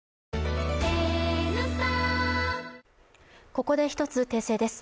ここで１つ訂正です。